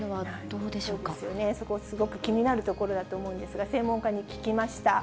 そうですよね、そこ、すごく気になるところだと思うんですが、専門家に聞きました。